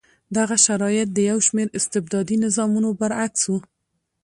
دغه شرایط د یو شمېر استبدادي نظامونو برعکس و.